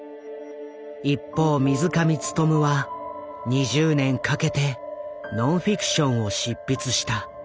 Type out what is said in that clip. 一方水上勉は２０年かけてノンフィクションを執筆した。